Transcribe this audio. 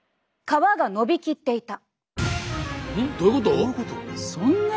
皮がのびきっていた？